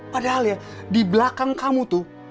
padahal ya di belakang kamu tuh